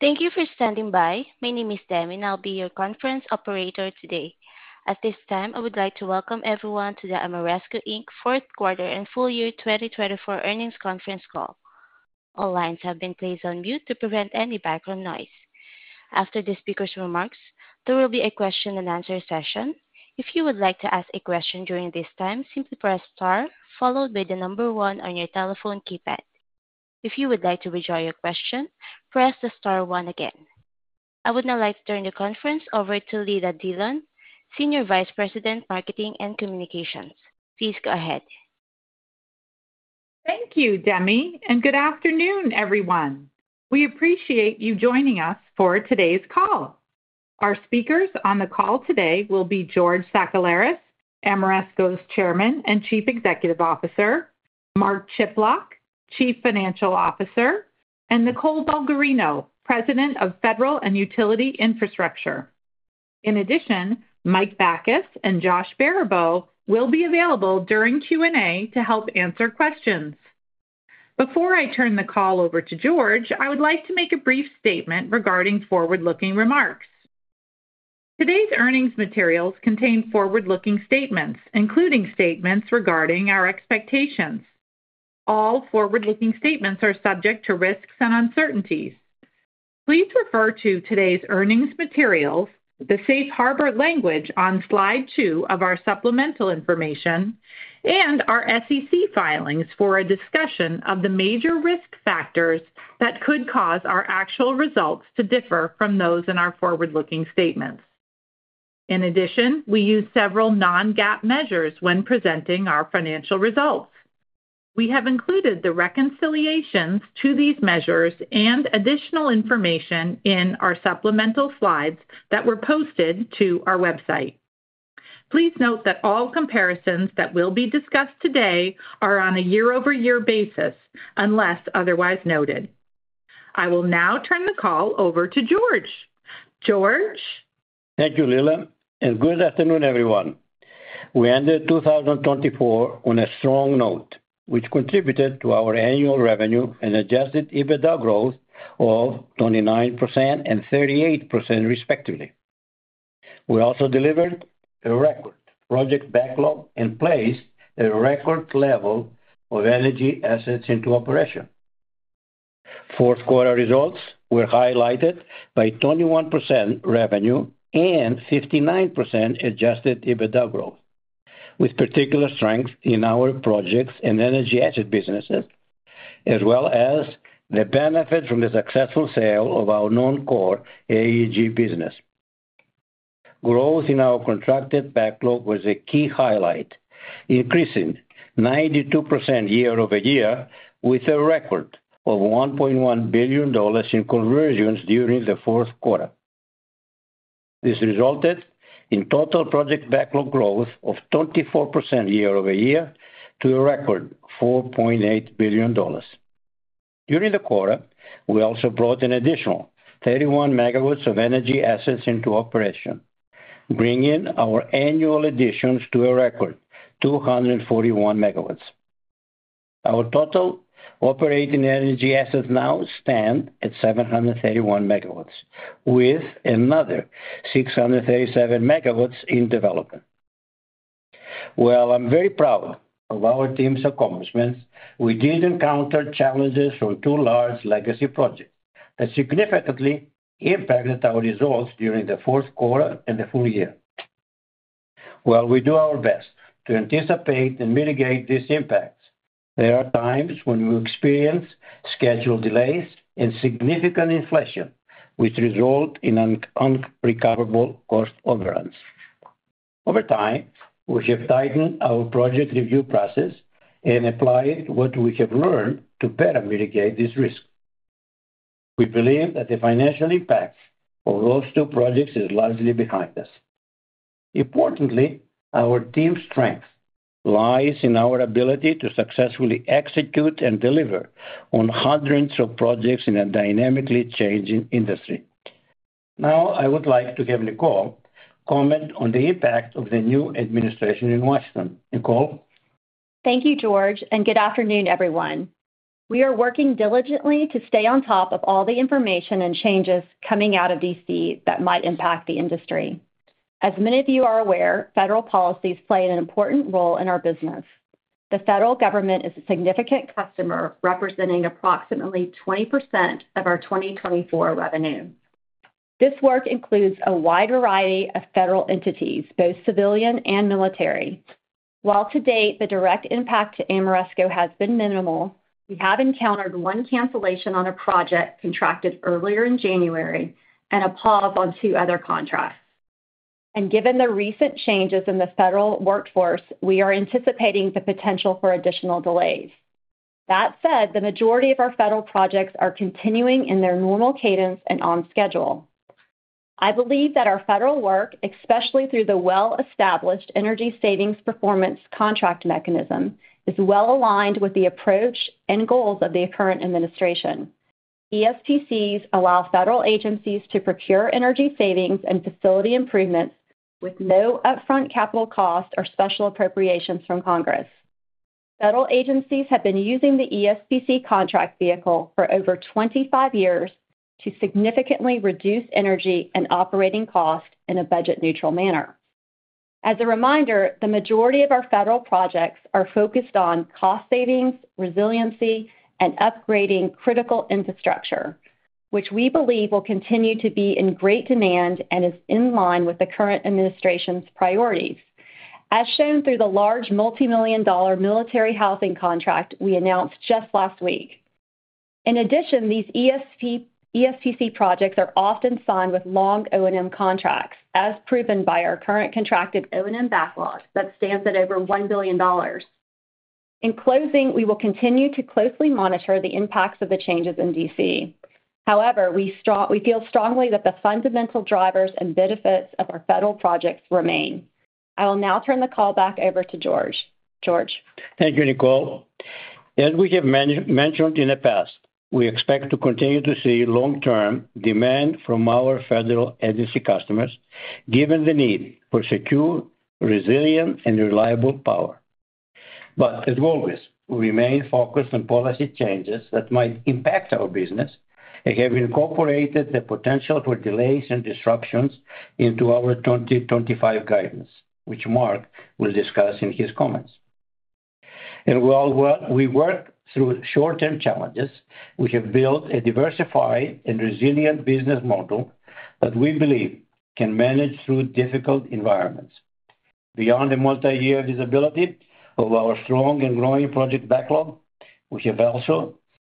Thank you for standing by. My name is Demi, and I'll be your conference operator today. At this time, I would like to welcome everyone to the Ameresco Inc Fourth Quarter and Full-Year 2024 Earnings Conference Call. All lines have been placed on mute to prevent any background noise. After the speaker's remarks, there will be a question-and-answer session. If you would like to ask a question during this time, simply press star, followed by the number one on your telephone keypad. If you would like to withdraw your question, press the star one again. I would now like to turn the conference over to Leila Dillon, Senior Vice President, Marketing and Communications. Please go ahead. Thank you, Demi, and good afternoon, everyone. We appreciate you joining us for today's call. Our speakers on the call today will be George Sakellaris, Ameresco's Chairman and Chief Executive Officer, Mark Chiplock, Chief Financial Officer, and Nicole Bulgarino, President of Federal and Utility Infrastructure. In addition, Mike Bakas and Josh Baribeau will be available during Q&A to help answer questions. Before I turn the call over to George, I would like to make a brief statement regarding forward-looking remarks. Today's earnings materials contain forward-looking statements, including statements regarding our expectations. All forward-looking statements are subject to risks and uncertainties. Please refer to today's earnings materials, the safe harbor language on slide two of our supplemental information, and our SEC filings for a discussion of the major risk factors that could cause our actual results to differ from those in our forward-looking statements. In addition, we use several non-GAAP measures when presenting our financial results. We have included the reconciliations to these measures and additional information in our supplemental slides that were posted to our website. Please note that all comparisons that will be discussed today are on a year-over-year basis, unless otherwise noted. I will now turn the call over to George. George? Thank you, Leila, and good afternoon, everyone. We ended 2024 on a strong note, which contributed to our annual revenue and adjusted EBITDA growth of 29% and 38%, respectively. We also delivered a record project backlog and placed a record level of energy assets into operation. Fourth quarter results were highlighted by 21% revenue and 59% adjusted EBITDA growth, with particular strength in our projects and energy asset businesses, as well as the benefit from the successful sale of our non-core AEG business. Growth in our contracted backlog was a key highlight, increasing 92% year over year, with a record of $1.1 billion in conversions during the fourth quarter. This resulted in total project backlog growth of 24% year-over-year to a record $4.8 billion. During the quarter, we also brought in an additional 31 MW of energy assets into operation, bringing our annual additions to a record 241 MW. Our total operating energy assets now stand at 731 MW, with another 637 MW in development. While I'm very proud of our teams' accomplishments, we did encounter challenges from two large legacy projects that significantly impacted our results during the fourth quarter and the full year. While we do our best to anticipate and mitigate these impacts, there are times when we experience schedule delays and significant inflation, which result in unrecoverable cost overruns. Over time, we have tightened our project review process and applied what we have learned to better mitigate these risks. We believe that the financial impact of those two projects is largely behind us. Importantly, our team's strength lies in our ability to successfully execute and deliver on hundreds of projects in a dynamically changing industry. Now, I would like to have Nicole comment on the impact of the new administration in Washington. Nicole? Thank you, George, and good afternoon, everyone. We are working diligently to stay on top of all the information and changes coming out of D.C. that might impact the industry. As many of you are aware, federal policies play an important role in our business. The federal government is a significant customer representing approximately 20% of our 2024 revenue. This work includes a wide variety of federal entities, both civilian and military. While to date, the direct impact to Ameresco has been minimal, we have encountered one cancellation on a project contracted earlier in January and a pause on two other contracts. Given the recent changes in the federal workforce, we are anticipating the potential for additional delays. That said, the majority of our federal projects are continuing in their normal cadence and on schedule. I believe that our federal work, especially through the well-established Energy Savings Performance Contract mechanism, is well aligned with the approach and goals of the current administration. ESPCs allow federal agencies to procure energy savings and facility improvements with no upfront capital cost or special appropriations from Congress. Federal agencies have been using the ESPC contract vehicle for over 25 years to significantly reduce energy and operating costs in a budget-neutral manner. As a reminder, the majority of our federal projects are focused on cost savings, resiliency, and upgrading critical infrastructure, which we believe will continue to be in great demand and is in line with the current administration's priorities, as shown through the large multimillion-dollar military housing contract we announced just last week. In addition, these ESPC projects are often signed with long O&M contracts, as proven by our current contracted O&M backlog that stands at over $1 billion. In closing, we will continue to closely monitor the impacts of the changes in D.C. However, we feel strongly that the fundamental drivers and benefits of our federal projects remain. I will now turn the call back over to George. George? Thank you, Nicole. As we have mentioned in the past, we expect to continue to see long-term demand from our federal agency customers, given the need for secure, resilient, and reliable power. We remain focused on policy changes that might impact our business and have incorporated the potential for delays and disruptions into our 2025 guidance, which Mark will discuss in his comments. While we work through short-term challenges, we have built a diversified and resilient business model that we believe can manage through difficult environments. Beyond the multi-year visibility of our strong and growing project backlog, we have also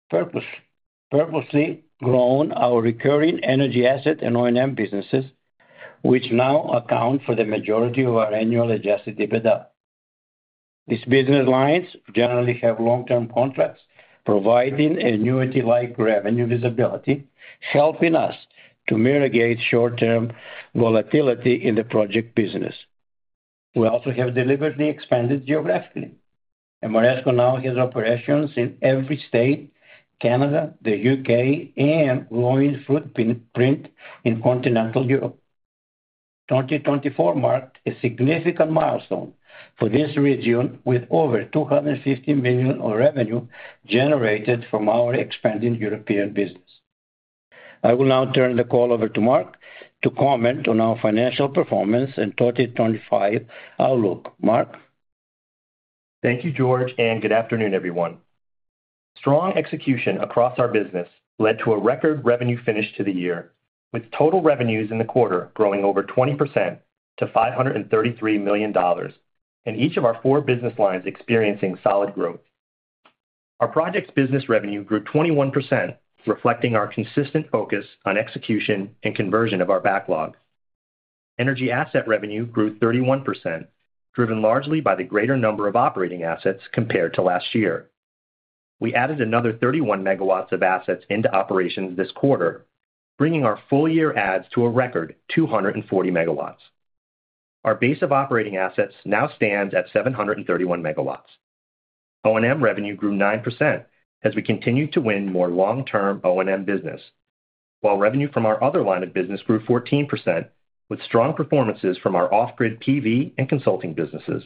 purposely grown our recurring energy asset and O&M businesses, which now account for the majority of our annual adjusted EBITDA. These business lines generally have long-term contracts, providing annuity-like revenue visibility, helping us to mitigate short-term volatility in the project business. We also have deliberately expanded geographically. Ameresco now has operations in every state, Canada, the U.K., and a growing footprint in continental Europe. 2024 marked a significant milestone for this region, with over $250 million of revenue generated from our expanding European business. I will now turn the call over to Mark to comment on our financial performance and 2025 outlook. Mark? Thank you, George, and good afternoon, everyone. Strong execution across our business led to a record revenue finish to the year, with total revenues in the quarter growing over 20% to $533 million, and each of our four business lines experiencing solid growth. Our projects business revenue grew 21%, reflecting our consistent focus on execution and conversion of our backlog. Energy asset revenue grew 31%, driven largely by the greater number of operating assets compared to last year. We added another 31 MW of assets into operations this quarter, bringing our full-year adds to a record 240 MW. Our base of operating assets now stands at 731 MW. O&M revenue grew 9% as we continue to win more long-term O&M business, while revenue from our other line of business grew 14%, with strong performances from our off-grid PV and consulting businesses.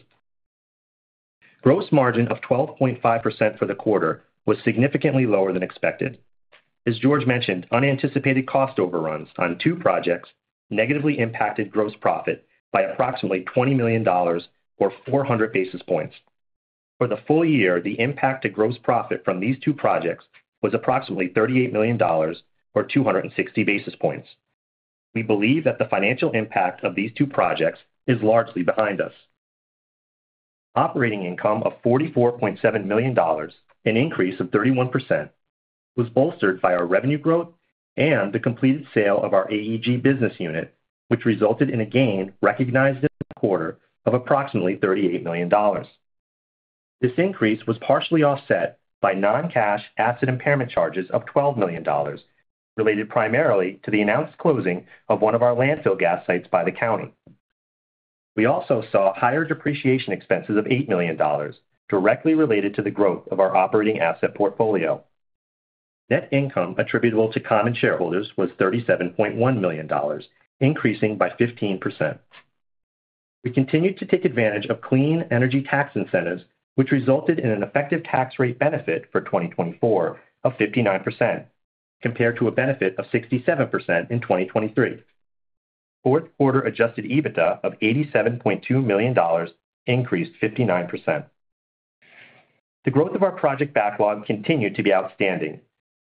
Gross margin of 12.5% for the quarter was significantly lower than expected. As George mentioned, unanticipated cost overruns on two projects negatively impacted gross profit by approximately $20 million, or 400 basis points. For the full year, the impact to gross profit from these two projects was approximately $38 million, or 260 basis points. We believe that the financial impact of these two projects is largely behind us. Operating income of $44.7 million, an increase of 31%, was bolstered by our revenue growth and the completed sale of our AEG business unit, which resulted in a gain recognized in the quarter of approximately $38 million. This increase was partially offset by non-cash asset impairment charges of $12 million, related primarily to the announced closing of one of our landfill gas sites by the county. We also saw higher depreciation expenses of $8 million, directly related to the growth of our operating asset portfolio. Net income attributable to common shareholders was $37.1 million, increasing by 15%. We continued to take advantage of clean energy tax incentives, which resulted in an effective tax rate benefit for 2024 of 59%, compared to a benefit of 67% in 2023. Fourth quarter adjusted EBITDA of $87.2 million increased 59%. The growth of our project backlog continued to be outstanding,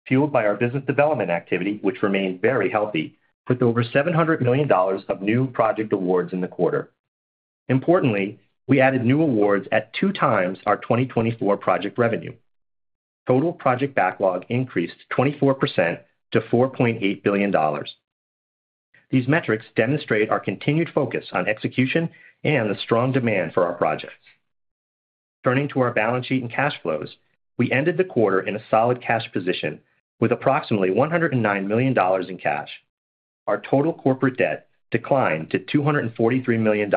fueled by our business development activity, which remained very healthy, with over $700 million of new project awards in the quarter. Importantly, we added new awards at 2x our 2024 project revenue. Total project backlog increased 24% to $4.8 billion. These metrics demonstrate our continued focus on execution and the strong demand for our projects. Turning to our balance sheet and cash flows, we ended the quarter in a solid cash position with approximately $109 million in cash. Our total corporate debt declined to $243 million,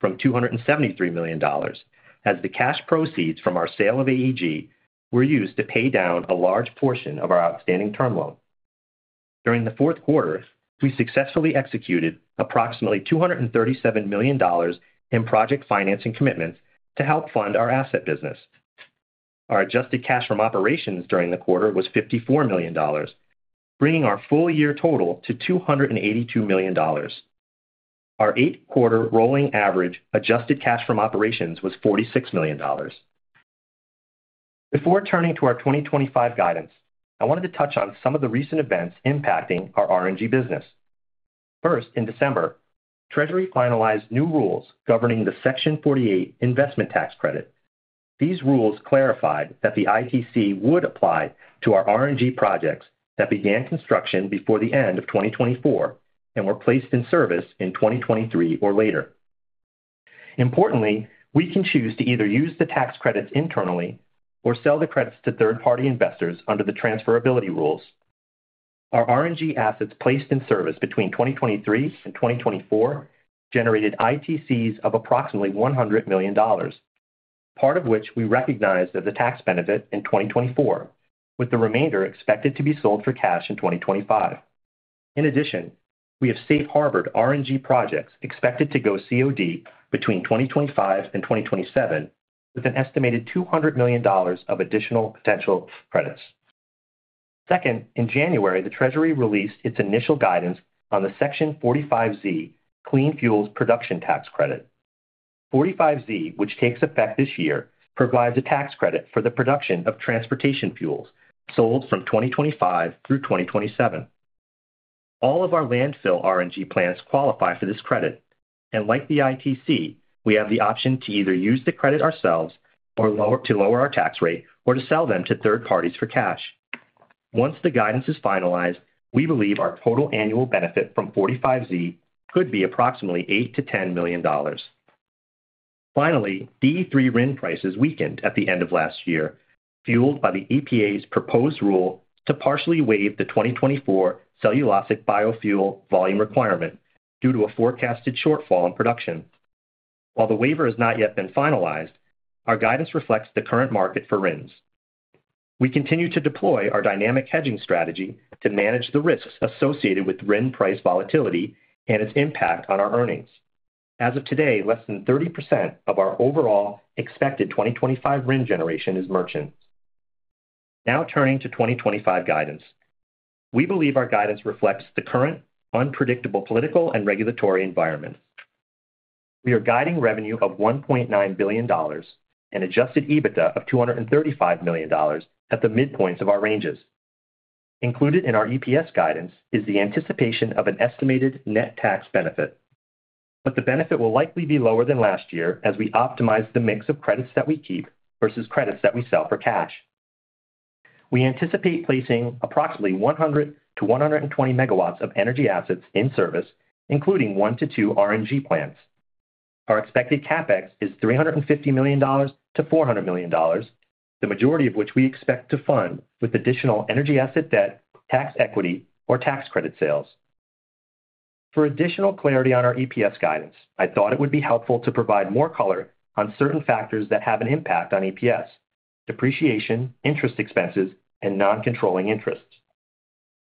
from $273 million, as the cash proceeds from our sale of AEG were used to pay down a large portion of our outstanding term loan. During the fourth quarter, we successfully executed approximately $237 million in project financing commitments to help fund our asset business. Our adjusted cash from operations during the quarter was $54 million, bringing our full-year total to $282 million. Our eight-quarter rolling average adjusted cash from operations was $46 million. Before turning to our 2025 guidance, I wanted to touch on some of the recent events impacting our R&G business. First, in December, Treasury finalized new rules governing the Section 48 Investment Tax Credit. These rules clarified that the ITC would apply to our R&G projects that began construction before the end of 2024 and were placed in service in 2023 or later. Importantly, we can choose to either use the tax credits internally or sell the credits to third-party investors under the transferability rules. Our R&G assets placed in service between 2023 and 2024 generated ITCs of approximately $100 million, part of which we recognized as a tax benefit in 2024, with the remainder expected to be sold for cash in 2025. In addition, we have safe-harbored R&G projects expected to go COD between 2025 and 2027, with an estimated $200 million of additional potential credits. Second, in January, the Treasury released its initial guidance on the Section 45Z Clean Fuel Production Tax Credit. 45Z, which takes effect this year, provides a tax credit for the production of transportation fuels sold from 2025 through 2027. All of our landfill R&G plants qualify for this credit, and like the ITC, we have the option to either use the credit ourselves to lower our tax rate or to sell them to third parties for cash. Once the guidance is finalized, we believe our total annual benefit from 45Z could be approximately $8 million-$10 million. Finally, D3 RIN prices weakened at the end of last year, fueled by the EPA's proposed rule to partially waive the 2024 cellulosic biofuel volume requirement due to a forecasted shortfall in production. While the waiver has not yet been finalized, our guidance reflects the current market for RINs. We continue to deploy our dynamic hedging strategy to manage the risks associated with RIN price volatility and its impact on our earnings. As of today, less than 30% of our overall expected 2025 RIN generation is merchant. Now turning to 2025 guidance, we believe our guidance reflects the current unpredictable political and regulatory environment. We are guiding revenue of $1.9 billion and adjusted EBITDA of $235 million at the midpoints of our ranges. Included in our EPS guidance is the anticipation of an estimated net tax benefit, but the benefit will likely be lower than last year as we optimize the mix of credits that we keep versus credits that we sell for cash. We anticipate placing approximately 100 MW-120 MW of energy assets in service, including one to two R&G plants. Our expected CapEx is $350 million-$400 million, the majority of which we expect to fund with additional energy asset debt, tax equity, or tax credit sales. For additional clarity on our EPS guidance, I thought it would be helpful to provide more color on certain factors that have an impact on EPS: depreciation, interest expenses, and non-controlling interests.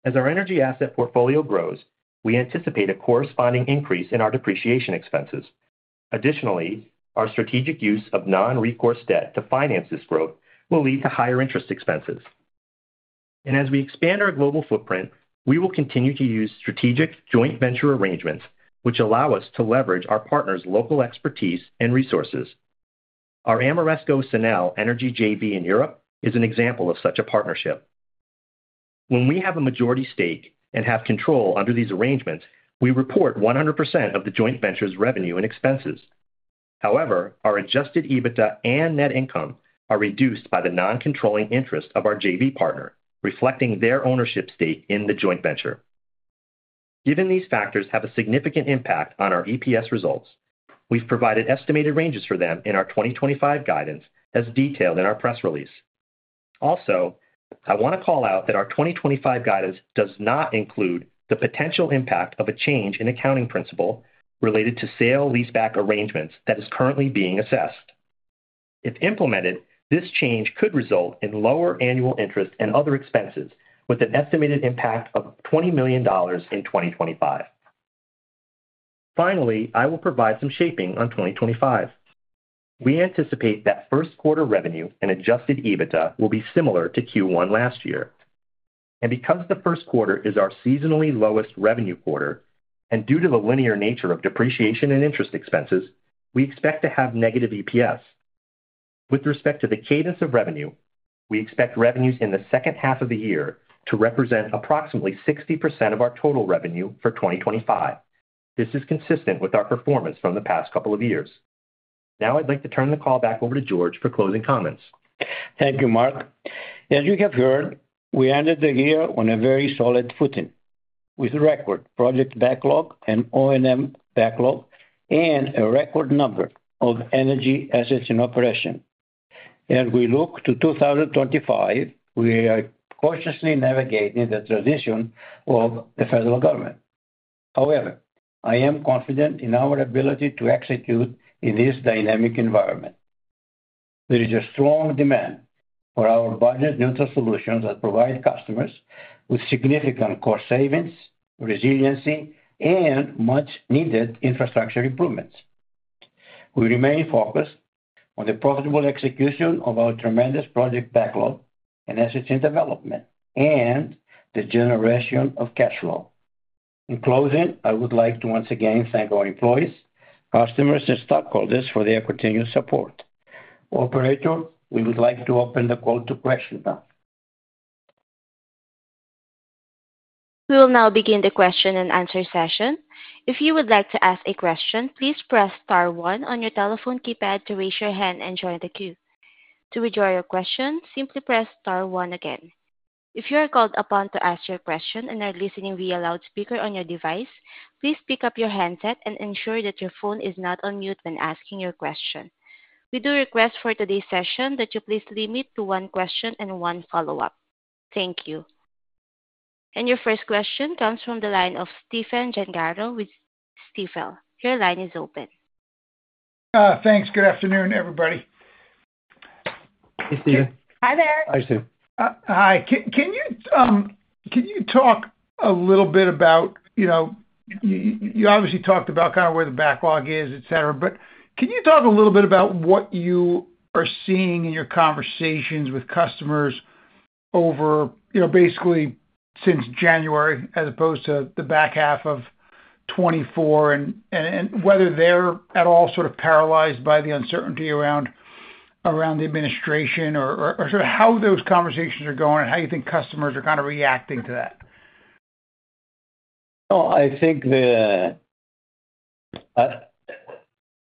As our energy asset portfolio grows, we anticipate a corresponding increase in our depreciation expenses. Additionally, our strategic use of non-recourse debt to finance this growth will lead to higher interest expenses. As we expand our global footprint, we will continue to use strategic joint venture arrangements, which allow us to leverage our partners' local expertise and resources. Our Ameresco Sunel Energy JV in Europe is an example of such a partnership. When we have a majority stake and have control under these arrangements, we report 100% of the joint venture's revenue and expenses. However, our adjusted EBITDA and net income are reduced by the non-controlling interest of our JV partner, reflecting their ownership stake in the joint venture. Given these factors have a significant impact on our EPS results, we've provided estimated ranges for them in our 2025 guidance, as detailed in our press release. Also, I want to call out that our 2025 guidance does not include the potential impact of a change in accounting principle related to sale leaseback arrangements that is currently being assessed. If implemented, this change could result in lower annual interest and other expenses, with an estimated impact of $20 million in 2025. Finally, I will provide some shaping on 2025. We anticipate that first quarter revenue and adjusted EBITDA will be similar to Q1 last year. Because the first quarter is our seasonally lowest revenue quarter, and due to the linear nature of depreciation and interest expenses, we expect to have negative EPS. With respect to the cadence of revenue, we expect revenues in the second half of the year to represent approximately 60% of our total revenue for 2025. This is consistent with our performance from the past couple of years. Now I'd like to turn the call back over to George for closing comments. Thank you, Mark. As you have heard, we ended the year on a very solid footing with a record project backlog and O&M backlog and a record number of energy assets in operation. As we look to 2025, we are cautiously navigating the transition of the federal government. However, I am confident in our ability to execute in this dynamic environment. There is a strong demand for our budget-neutral solutions that provide customers with significant cost savings, resiliency, and much-needed infrastructure improvements. We remain focused on the profitable execution of our tremendous project backlog and assets in development and the generation of cash flow. In closing, I would like to once again thank our employees, customers, and stockholders for their continued support. Operator, we would like to open the call to question now. We will now begin the question-and-answer session. If you would like to ask a question, please press star one on your telephone keypad to raise your hand and join the queue. To withdraw your question, simply press star one again. If you are called upon to ask your question and are listening via loudspeaker on your device, please pick up your handset and ensure that your phone is not on mute when asking your question. We do request for today's session that you please limit to one question and one follow-up. Thank you. Your first question comes from the line of Stephen Gengaro with Stifel. Your line is open. Thanks. Good afternoon, everybody. Hey, Stephen. Hi there. Hi, Stephen. Hi. Can you talk a little bit about, you know, you obviously talked about kind of where the backlog is, et cetera, but can you talk a little bit about what you are seeing in your conversations with customers over, you know, basically since January, as opposed to the back half of 2024, and whether they're at all sort of paralyzed by the uncertainty around the administration or sort of how those conversations are going and how you think customers are kind of reacting to that? I think the,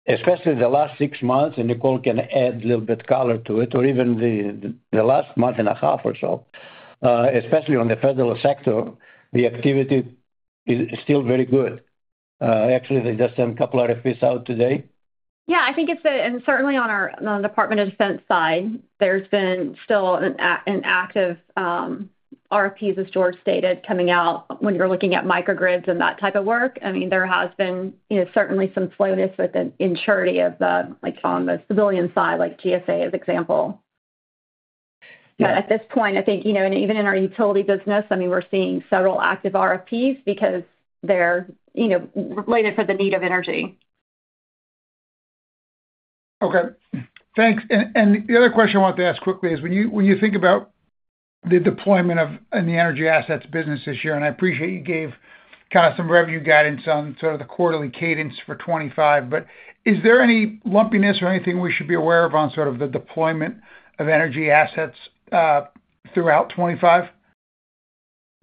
especially the last six months, and Nicole can add a little bit of color to it, or even the last month and a half or so, especially on the federal sector, the activity is still very good. Actually, they just sent a couple of RFPs out today. Yeah. I think it's the, and certainly on our Department of Defense side, there's been still an active RFPs, as George stated, coming out when you're looking at microgrids and that type of work. I mean, there has been, you know, certainly some slowness with the maturity of the, like on the civilian side, like GSA, as an example. At this point, I think, you know, and even in our utility business, I mean, we're seeing several active RFPs because they're, you know, related for the need of energy. Okay. Thanks. The other question I wanted to ask quickly is, when you think about the deployment of the energy assets business this year, and I appreciate you gave kind of some revenue guidance on sort of the quarterly cadence for 2025, is there any lumpiness or anything we should be aware of on sort of the deployment of energy assets throughout 2025?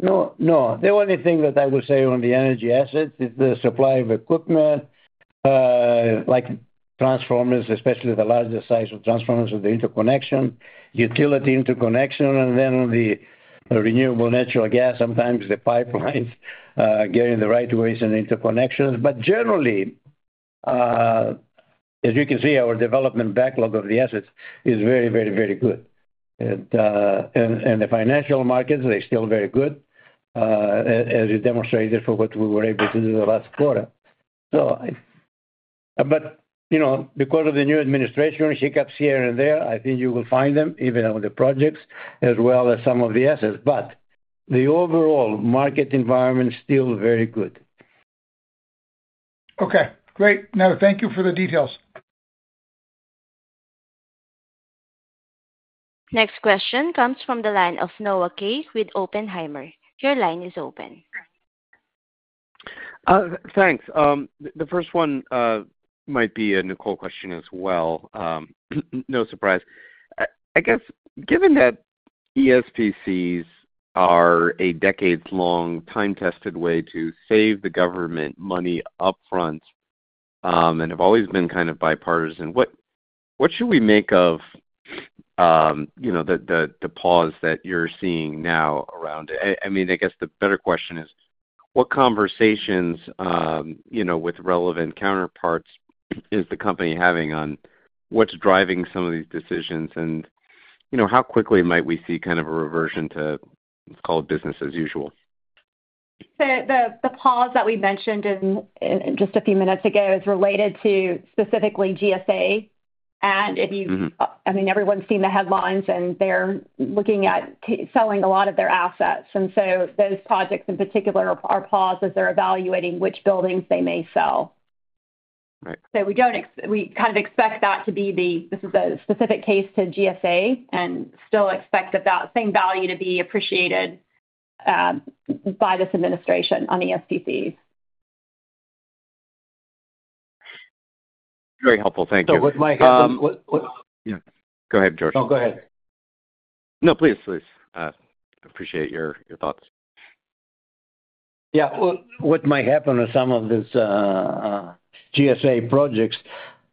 No, no. The only thing that I would say on the energy assets is the supply of equipment, like transformers, especially the larger size of transformers of the interconnection, utility interconnection, and then the renewable natural gas, sometimes the pipelines getting the right ways and interconnections. Generally, as you can see, our development backlog of the assets is very, very, very good. The financial markets, they're still very good, as you demonstrated for what we were able to do the last quarter. You know, because of the new administration, hiccups here and there, I think you will find them even on the projects, as well as some of the assets. The overall market environment is still very good. Okay. Great. No, thank you for the details. Next question comes from the line of Noah Kaye with Oppenheimer. Your line is open. Thanks. The first one might be a Nicole question as well. No surprise. I guess, given that ESPCs are a decades-long time-tested way to save the government money upfront and have always been kind of bipartisan, what should we make of, you know, the pause that you're seeing now around it? I mean, I guess the better question is, what conversations, you know, with relevant counterparts is the company having on what's driving some of these decisions and, you know, how quickly might we see kind of a reversion to, let's call it, business as usual? The pause that we mentioned just a few minutes ago is related to specifically GSA. If you, I mean, everyone's seen the headlines and they're looking at selling a lot of their assets. Those projects in particular are paused as they're evaluating which buildings they may sell. Right. We kind of expect that to be the, this is a specific case to GSA and still expect that that same value to be appreciated by this administration on ESPCs. Very helpful. Thank you. What might happen? Yeah. Go ahead, George. No, go ahead. No, please, please. I appreciate your thoughts. Yeah. What might happen with some of these GSA projects,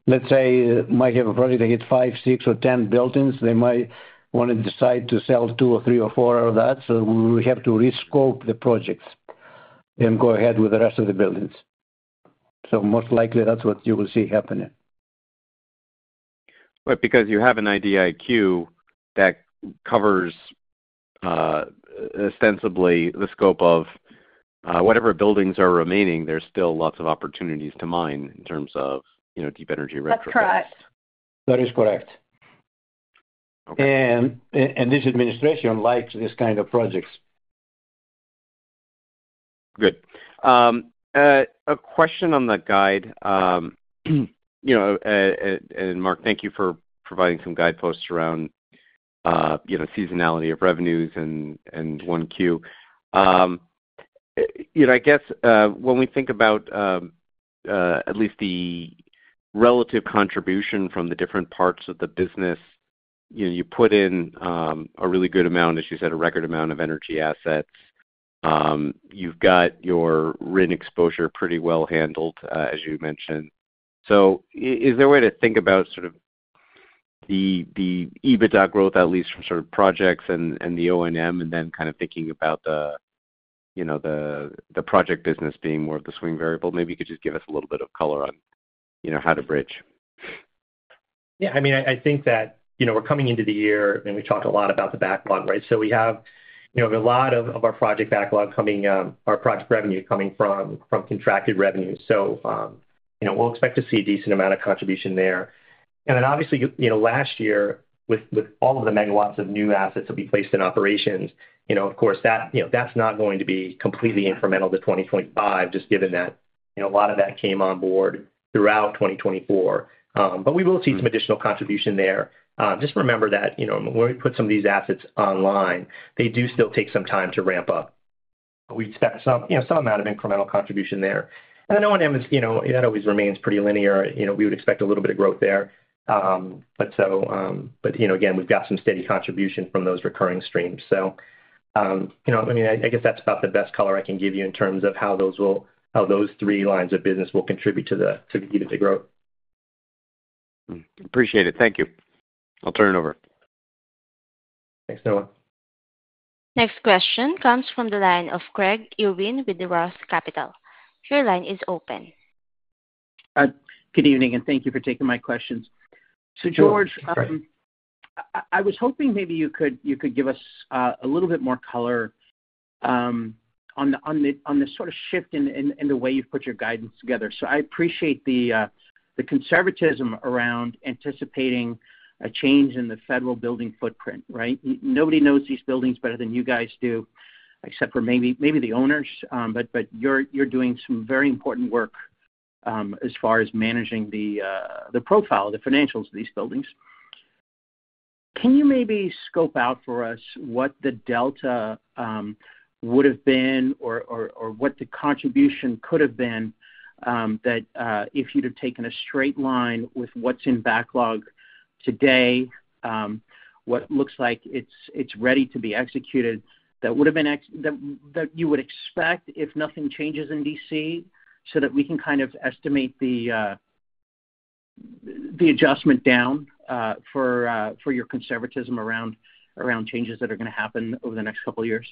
let's say it might have a project that hits five, six, or 10 buildings, they might want to decide to sell two or three or four of that, so we have to rescope the projects and go ahead with the rest of the buildings. Most likely that's what you will see happening. Right. Because you have an IDIQ that covers ostensibly the scope of whatever buildings are remaining, there's still lots of opportunities to mine in terms of, you know, deep energy retrofits. That's correct. That is correct. Okay. And this administration likes this kind of projects. Good. A question on the guide, you know, and Mark, thank you for providing some guideposts around, you know, seasonality of revenues in 1Q. You know, I guess when we think about at least the relative contribution from the different parts of the business, you know, you put in a really good amount, as you said, a record amount of energy assets. You've got your RIN exposure pretty well handled, as you mentioned. Is there a way to think about sort of the EBITDA growth, at least from sort of projects and the O&M, and then kind of thinking about the, you know, the project business being more of the swing variable? Maybe you could just give us a little bit of color on, you know, how to bridge. Yeah. I mean, I think that, you know, we're coming into the year and we talked a lot about the backlog, right? So we have, you know, a lot of our project backlog coming, our project revenue coming from contracted revenues. You know, we'll expect to see a decent amount of contribution there. Obviously, you know, last year, with all of the megawatts of new assets that we placed in operations, you know, of course, that, you know, that's not going to be completely incremental to 2025, just given that, you know, a lot of that came on board throughout 2024. We will see some additional contribution there. Just remember that, you know, when we put some of these assets online, they do still take some time to ramp up. We expect some, you know, some amount of incremental contribution there. The O&M is, you know, that always remains pretty linear. You know, we would expect a little bit of growth there. You know, again, we have got some steady contribution from those recurring streams. You know, I mean, I guess that is about the best color I can give you in terms of how those will, how those three lines of business will contribute to the EBITDA growth. Appreciate it. Thank you. I'll turn it over. Thanks, Noah. Next question comes from the line of Craig Irwin with Roth Capital. Your line is open. Good evening and thank you for taking my questions. George, I was hoping maybe you could give us a little bit more color on the sort of shift in the way you've put your guidance together. I appreciate the conservatism around anticipating a change in the federal building footprint, right? Nobody knows these buildings better than you guys do, except for maybe the owners. You're doing some very important work as far as managing the profile, the financials of these buildings. Can you maybe scope out for us what the delta would have been or what the contribution could have been that if you'd have taken a straight line with what's in backlog today, what looks like it's ready to be executed, that would have been that you would expect if nothing changes in D.C. so that we can kind of estimate the adjustment down for your conservatism around changes that are going to happen over the next couple of years?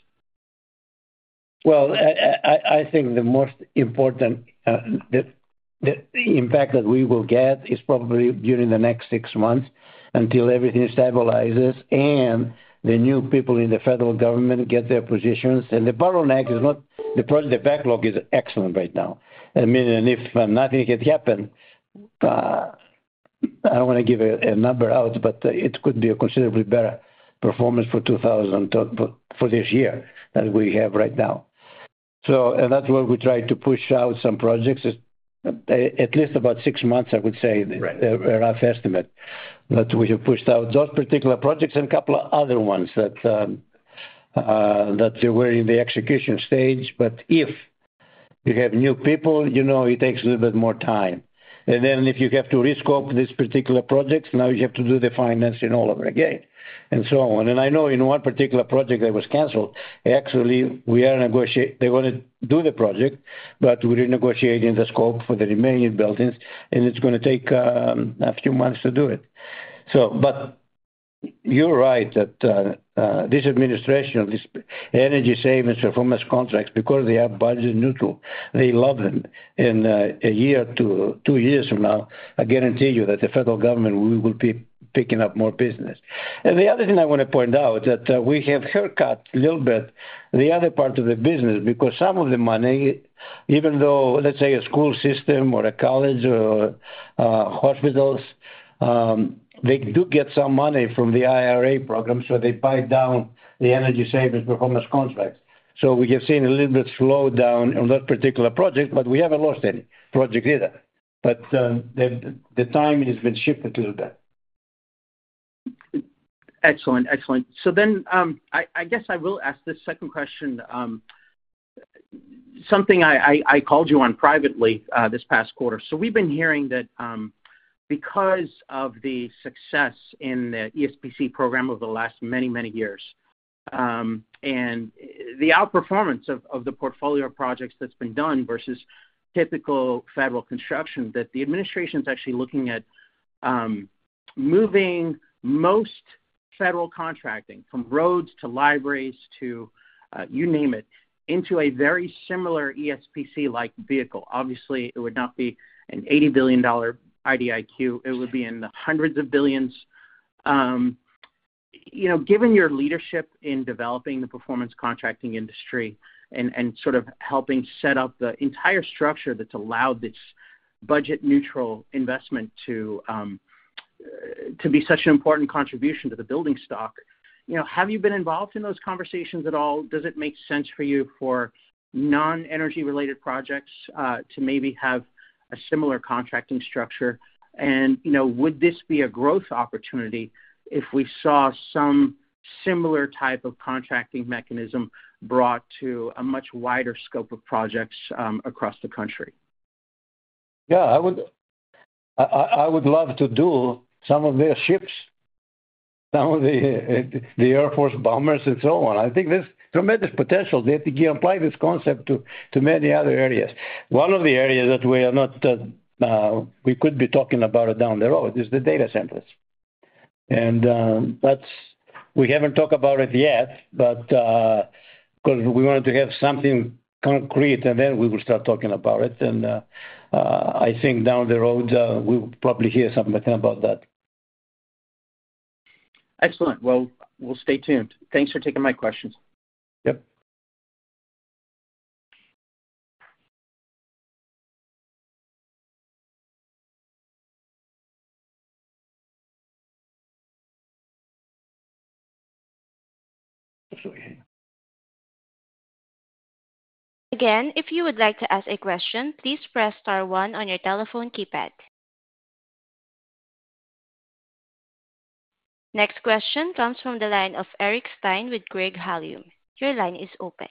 I think the most important impact that we will get is probably during the next six months until everything stabilizes and the new people in the federal government get their positions. The bottleneck is not the backlog is excellent right now. I mean, if nothing had happened, I don't want to give a number out, but it could be a considerably better performance for 2024 for this year than we have right now. That is what we tried to push out some projects, at least about six months, I would say, a rough estimate that we have pushed out those particular projects and a couple of other ones that they were in the execution stage. If you have new people, you know, it takes a little bit more time. If you have to rescope these particular projects, now you have to do the financing all over again and so on. I know in one particular project that was canceled, actually we are negotiating, they're going to do the project, but we're negotiating the scope for the remaining buildings, and it's going to take a few months to do it. You are right that this administration, this energy savings performance contracts, because they are budget-neutral, they love them. In a year to two years from now, I guarantee you that the federal government will be picking up more business. The other thing I want to point out is that we have haircut a little bit the other part of the business because some of the money, even though, let's say, a school system or a college or hospitals, they do get some money from the IRA program, so they buy down the Energy Savings Performance Contracts. We have seen a little bit slow down on that particular project, but we haven't lost any project either. The timing has been shifted a little bit. Excellent. Excellent. I guess I will ask this second question. Something I called you on privately this past quarter. We have been hearing that because of the success in the ESPC program over the last many, many years and the outperformance of the portfolio of projects that has been done versus typical federal construction, the administration is actually looking at moving most federal contracting from roads to libraries to, you name it, into a very similar ESPC-like vehicle. Obviously, it would not be an $80 billion IDIQ. It would be in the hundreds of billions. You know, given your leadership in developing the performance contracting industry and sort of helping set up the entire structure that has allowed this budget-neutral investment to be such an important contribution to the building stock, you know, have you been involved in those conversations at all? Does it make sense for you for non-energy-related projects to maybe have a similar contracting structure? You know, would this be a growth opportunity if we saw some similar type of contracting mechanism brought to a much wider scope of projects across the country? Yeah. I would love to do some of their ships, some of the Air Force bombers and so on. I think there's tremendous potential. They can apply this concept to many other areas. One of the areas that we are not, we could be talking about it down the road is the data centers. That's, we haven't talked about it yet, because we wanted to have something concrete, and then we will start talking about it. I think down the road, we will probably hear something about that. Excellent. We'll stay tuned. Thanks for taking my questions. Yep. Again, if you would like to ask a question, please press star one on your telephone keypad. Next question comes from the line of Eric Stine with Craig-Hallum. Your line is open.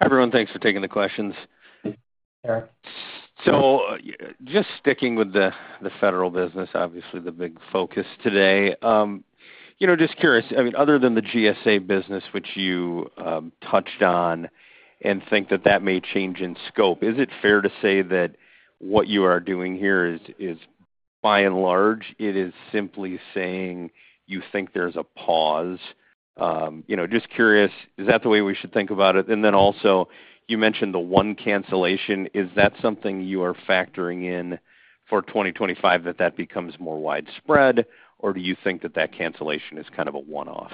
Hi, everyone. Thanks for taking the questions. Eric? Just sticking with the federal business, obviously the big focus today. You know, just curious, I mean, other than the GSA business, which you touched on and think that that may change in scope, is it fair to say that what you are doing here is, by and large, it is simply saying you think there's a pause? You know, just curious, is that the way we should think about it? Also, you mentioned the one cancellation. Is that something you are factoring in for 2025, that that becomes more widespread, or do you think that that cancellation is kind of a one-off?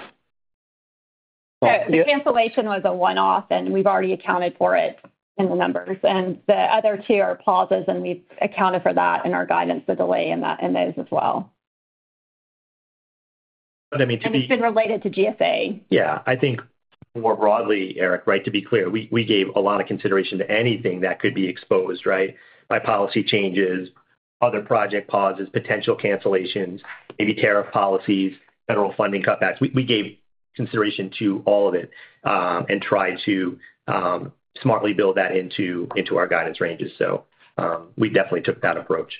The cancellation was a one-off, and we've already accounted for it in the numbers. The other two are pauses, and we've accounted for that in our guidance, the delay in those as well. I mean, to be. It's been related to GSA. Yeah. I think more broadly, Eric, right, to be clear, we gave a lot of consideration to anything that could be exposed, right? By policy changes, other project pauses, potential cancellations, maybe tariff policies, federal funding cutbacks. We gave consideration to all of it and tried to smartly build that into our guidance ranges. We definitely took that approach.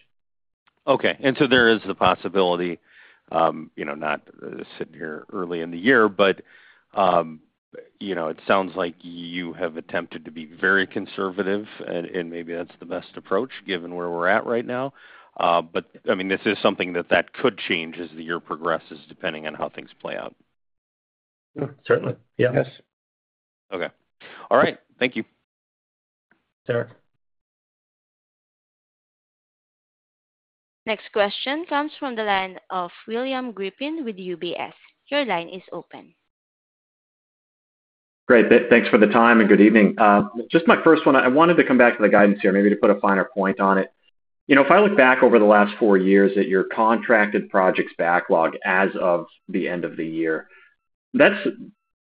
Okay. There is the possibility, you know, not sitting here early in the year, but, you know, it sounds like you have attempted to be very conservative, and maybe that's the best approach given where we're at right now. I mean, this is something that could change as the year progresses depending on how things play out. Certainly. Yeah. Yes. Okay. All right. Thank you. All right. Next question comes from the line of William Grippin with UBS. Your line is open. Great. Thanks for the time and good evening. Just my first one, I wanted to come back to the guidance here, maybe to put a finer point on it. You know, if I look back over the last four years at your contracted projects backlog as of the end of the year, that's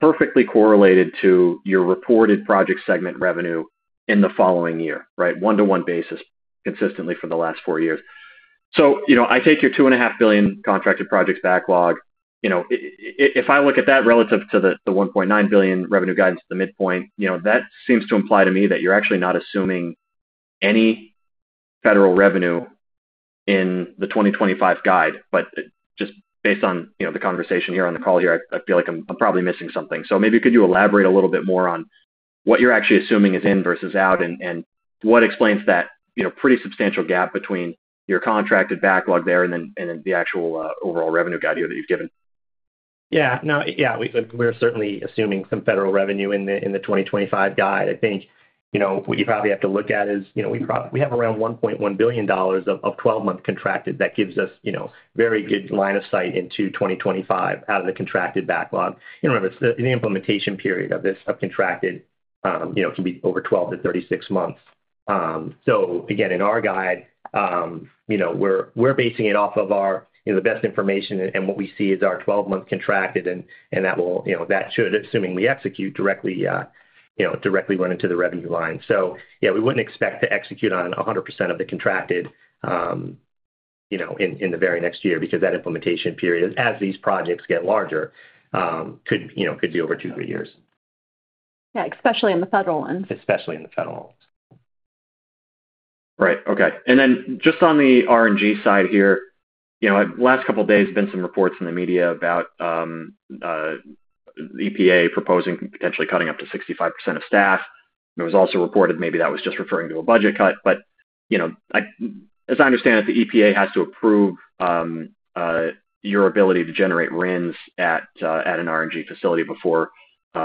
perfectly correlated to your reported project segment revenue in the following year, right? One-to-one basis consistently for the last four years. You know, I take your $2.5 billion contracted projects backlog. You know, if I look at that relative to the $1.9 billion revenue guidance to the midpoint, that seems to imply to me that you're actually not assuming any federal revenue in the 2025 guide. Just based on, you know, the conversation here on the call here, I feel like I'm probably missing something. Maybe could you elaborate a little bit more on what you're actually assuming is in versus out and what explains that, you know, pretty substantial gap between your contracted backlog there and then the actual overall revenue guide here that you've given? Yeah. No, yeah. We're certainly assuming some federal revenue in the 2025 guide. I think, you know, what you probably have to look at is, you know, we have around $1.1 billion of 12-month contracted that gives us, you know, very good line of sight into 2025 out of the contracted backlog. You know, remember, the implementation period of this contracted, you know, can be over 12 to 36 months. Again, in our guide, you know, we're basing it off of our, you know, the best information and what we see is our 12-month contracted, and that will, you know, that should, assuming we execute directly, you know, directly run into the revenue line. Yeah, we wouldn't expect to execute on 100% of the contracted, you know, in the very next year because that implementation period, as these projects get larger, could, you know, could be over two, three years. Yeah. Especially in the federal ones. Especially in the federal ones. Right. Okay. Just on the R&G side here, you know, last couple of days, there have been some reports in the media about the EPA proposing potentially cutting up to 65% of staff. It was also reported maybe that was just referring to a budget cut. You know, as I understand it, the EPA has to approve your ability to generate RINs at an R&G facility before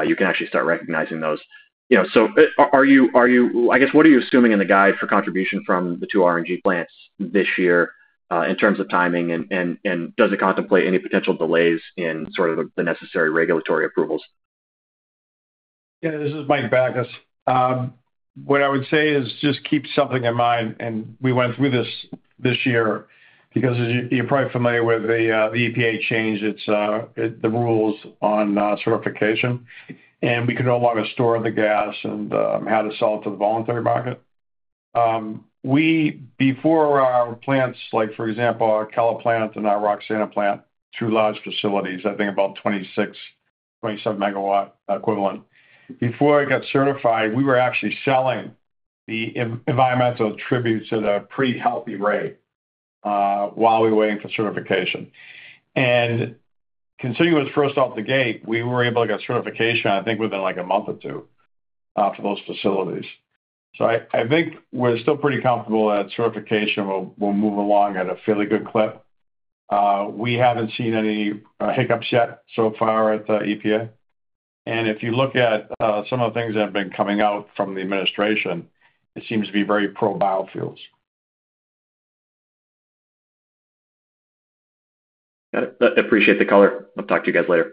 you can actually start recognizing those. You know, so are you, I guess, what are you assuming in the guide for contribution from the two R&G plants this year in terms of timing, and does it contemplate any potential delays in sort of the necessary regulatory approvals? Yeah. This is Mike Bakas. What I would say is just keep something in mind, and we went through this this year because you're probably familiar with the EPA change, the rules on certification, and we could no longer store the gas and had to sell it to the voluntary market. Before, our plants, like for example, our Keller plant and our Roxana plant, two large facilities, I think about 26 MW, 27 MW equivalent. Before it got certified, we were actually selling the environmental attribute to the pre-healthy rate while we were waiting for certification. Consumers, first off the gate, we were able to get certification, I think, within like a month or two for those facilities. I think we're still pretty comfortable that certification will move along at a fairly good clip. We haven't seen any hiccups yet so far at the EPA. If you look at some of the things that have been coming out from the administration, it seems to be very pro-biofuels. Got it. I appreciate the color. I'll talk to you guys later.